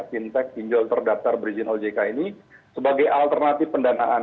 fintech pinjol terdaftar berizin ojk ini sebagai alternatif pendanaan